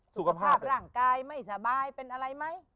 สุขภาพร่างกายไม่สบายเป็นอะไรไหม